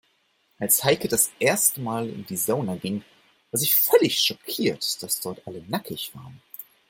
Als Heike das erste Mal in die Sauna ging, war sie völlig schockiert, dass dort alle nackig waren.